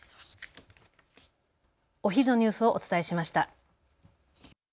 お昼のニュースをお伝えしました。